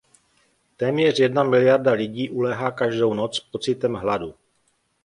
Téměř jedna miliarda lidí uléhá každou noc s pocitem hladu.